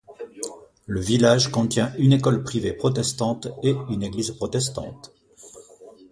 Le village contient une école privée protestante et une église protestante.